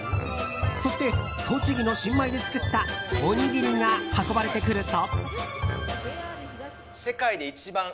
そして、栃木の新米で作ったおにぎりが運ばれてくると。